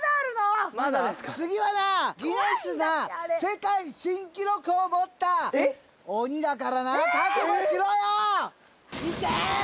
次はなギネスな世界新記録を持った鬼だからなえーっいけー！